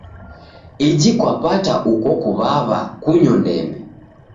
Iji kwapata uko kuw'aw'a kunyo ndembe.